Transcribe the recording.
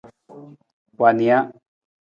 Wa nija.